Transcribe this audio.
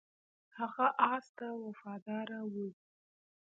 هغه اس ته وفادار و.